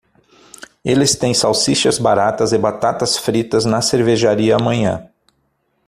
Eles têm salsichas baratas e batatas fritas na cervejaria amanhã.